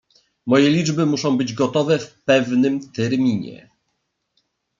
"Moje liczby muszą być gotowe w pewnym terminie."